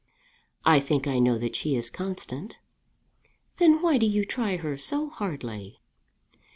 "I think I know that she is constant." "Then why do you try her so hardly?"